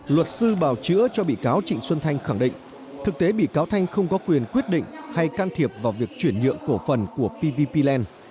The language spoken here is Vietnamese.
luật sư bào chữa cho bị cáo trịnh xuân thanh khẳng định thực tế bị cáo thanh không có quyền quyết định hay can thiệp vào việc chuyển nhượng cổ phần của pvp land